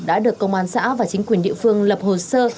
đã được công an xã và chính quyền địa phương lập hồ sơ